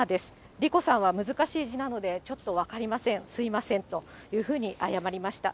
莉子さんは難しい字なので、ちょっと分かりません、すみませんというふうに謝りました。